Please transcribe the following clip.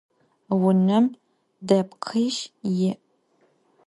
Vunem depkhiş yi'.